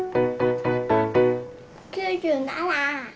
９７！